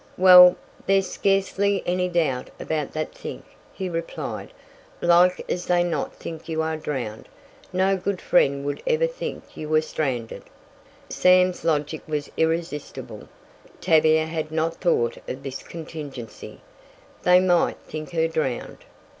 "Well, there's scarcely any doubt about that think," he replied. "Like as not they think you are drowned no good friend would ever think you were stranded!" Sam's logic was irresistible. Tavia had not thought of this contingency; they might think her drowned!